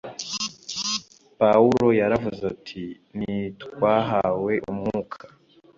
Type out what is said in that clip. pawulo yaravuze ati ntitwahawe umwuka